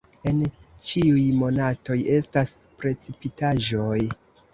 En ĉiuj monatoj estas precipitaĵoj.